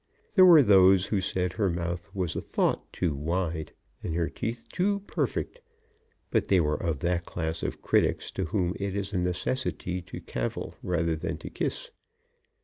There were those who said her mouth was a thought too wide, and her teeth too perfect, but they were of that class of critics to whom it is a necessity to cavil rather than to kiss.